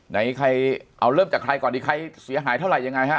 ไหนใครเอาเริ่มจากใครก่อนดีใครเสียหายเท่าไหร่ยังไงฮะ